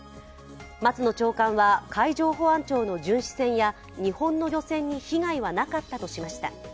松野長官は海上保安庁の巡視船や日本の漁船に被害はなかったとしました。